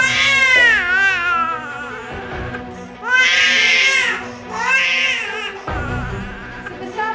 sebentar ya sayang